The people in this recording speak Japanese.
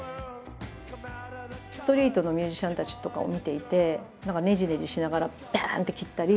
ストリートのミュージシャンたちとかを見ていて何かねじねじしながらバンって切ったり。